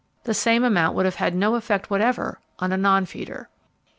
The same amount would have had no effect whatever on a non feeder.